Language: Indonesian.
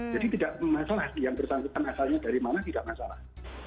jadi tidak masalah yang bersangkutan asalnya dari mana tidak masalah